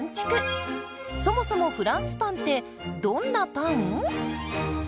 そもそもフランスパンってどんなパン？